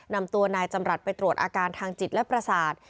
นำตัวนายจำรัฐไปตรวจอาการทางจิตและประสาท